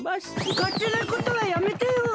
かってなことはやめてよ。